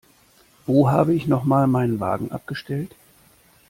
Wo habe ich noch mal meinen Wagen abgestellt?